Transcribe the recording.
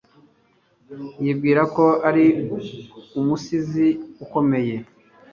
yibwira ko ari umusizi ukomeye